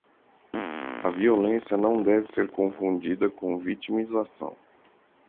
A violência não deve ser confundida com vitimização